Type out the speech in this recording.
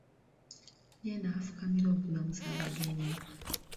Ye n'afukamira okulamusa abagenyi.